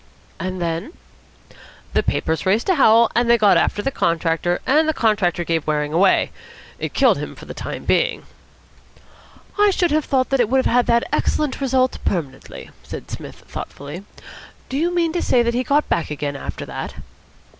"And then?" "The papers raised a howl, and they got after the contractor, and the contractor gave Waring away. It killed him for the time being." "I should have thought it would have had that excellent result permanently," said Psmith thoughtfully. "Do you mean to say he got back again after that?"